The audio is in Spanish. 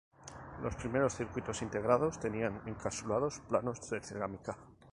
Los primeros circuitos integrados tenían encapsulados planos de cerámica.